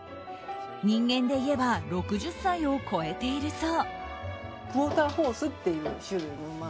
人間でいえば６０歳を超えているそう。